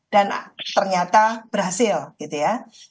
dan ternyata berhasil gitu ya